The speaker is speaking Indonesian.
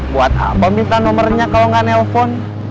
buat apa minta nomernya kalau nggak telfon